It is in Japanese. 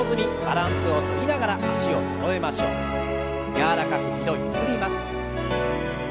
柔らかく２度ゆすります。